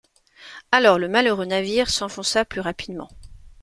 Alors le malheureux navire s’enfonça plus rapidement.